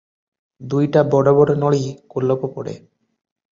ଦୁଇଟା ବଡ଼ ବଡ଼ ନଳୀ କୋଲପ ପଡ଼େ ।